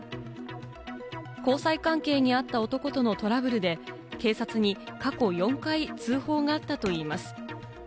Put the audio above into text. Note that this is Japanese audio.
交際関係にあった男とのトラブルで警察に過去４回、通報があったといいます。